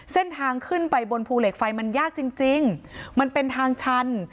เส้นทางขึ้นไปบนภูเหล็กไฟมันยากจริงจริงมันเป็นทางชัน